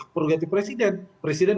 perlu diperhatikan presiden presiden